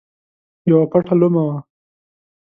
یوه پټه لومه وه.